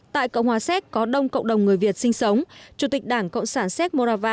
tại cộng hòa séc có đông cộng đồng người việt sinh sống chủ tịch đảng cộng sản séc morava